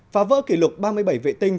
và vỡ kỷ lục ba mươi bảy vệ tinh